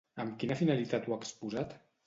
Amb quina finalitat ho ha exposat?